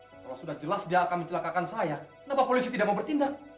kalau sudah jelas dia akan mencelakakan saya kenapa polisi tidak mau bertindak